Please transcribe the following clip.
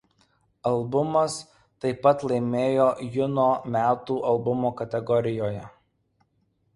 Albumas taip pat laimėjo „Juno“ Metų albumo kategorijoje.